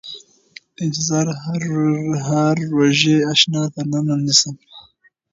د انتظار د هاړ روژې اشنا تر ننه نيسم